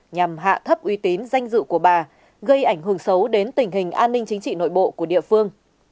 nhằm hạ thấp uy tín danh dự của bà gây ảnh hưởng xấu đến tình hình an ninh chính trị nội bộ của địa phương